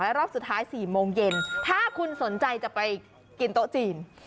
รอบสุดท้าย๔โมงเย็นถ้าคุณสนใจจะไปกินโต๊ะจีน